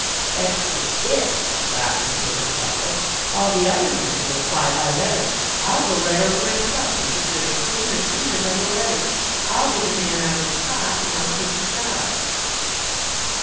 "That's just it," said Robinson, with a chuckle, "all the other men will apply by letter. I'll go right over myself and get there as soon or sooner than the letters. I'll be the man on the spot, and I'll get the job."